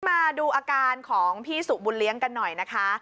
มาดูอาการของพี่สุบุญเลี้ยงกันหน่อยนะคะ